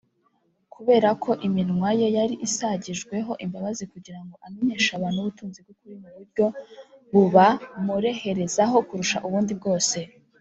kubera ko iminwa ye yari isagijweho imbabazi kugira ngo amenyeshe abantu ubutunzi bw’ukuri mu buryo bubamureherezaho kurusha ubundi bwose